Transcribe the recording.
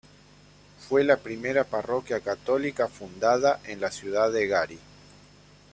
Fue la primera parroquia católica fundada en la ciudad de Gary.